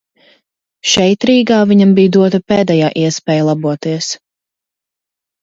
Šeit Rīgā viņam bija dota pēdējā iespēja laboties.